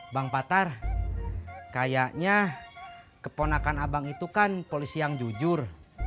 bang patar kayaknya keponakan abang itu kan polisi yang jujur